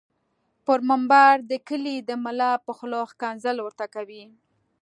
پر منبر د کلي دملا په خوله ښکنځل ورته کوي